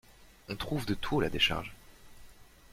On trouve de tout à la décharge.